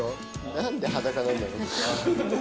何で裸なんだろう？